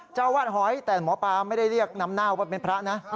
เจ้าวาดหอยแต่หมอปลาไม่ได้เรียกนำหน้าว่าเป็นพระนะ